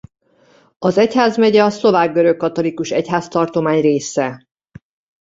Az egyházmegye a szlovák görögkatolikus egyháztartomány része.